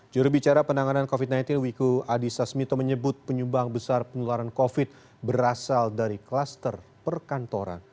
jurubicara penanganan covid sembilan belas wiku adi sasmito menyebut penyumbang besar penularan covid sembilan belas berasal dari kluster perkantoran